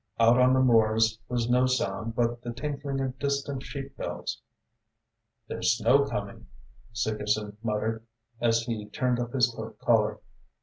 Out on the moors was no sound but time tinkling of distant sheep bells. "There's snow coming," Segerson muttered, as he turned up his coat collar.